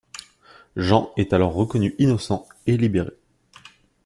Jean est alors reconnu innocent et libéré.